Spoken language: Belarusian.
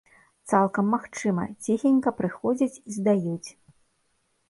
Цалкам магчыма, ціхенька прыходзяць і здаюць.